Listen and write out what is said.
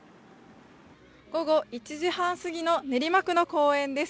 午後１時半すぎの練馬区の公園です。